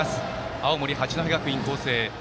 青森・八戸学院光星。